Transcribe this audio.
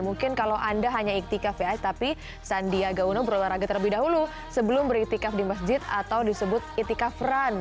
mungkin kalau anda hanya iktikaf ya tapi sandiaga uno berolahraga terlebih dahulu sebelum beriktikaf di masjid atau disebut itikaf run